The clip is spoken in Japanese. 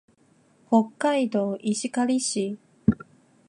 北海道石狩市